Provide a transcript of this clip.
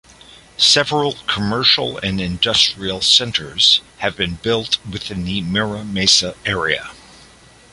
Several commercial and industrial centers have been built within the Mira Mesa area.